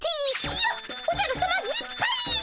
よっおじゃるさま日本一！